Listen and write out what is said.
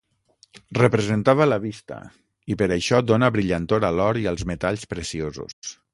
Representava la vista i per això dóna brillantor a l'or i als metalls preciosos.